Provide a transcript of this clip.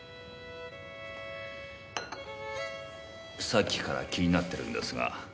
さっきから気になってるんですが。